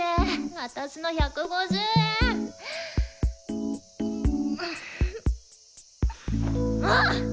私の１５０円。もうっ！